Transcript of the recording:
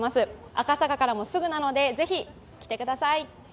赤坂からもすぐなのでぜひ来てください。